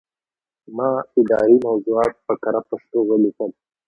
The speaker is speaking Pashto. ما اداري موضوعات په کره پښتو ولیکل.